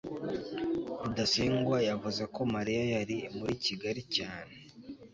rudasingwa yavuze ko mariya yari muri kigali cyane